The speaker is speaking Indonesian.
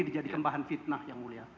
dijadikan bahan fitnah yang mulia